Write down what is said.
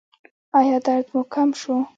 ایا درد مو کم شو؟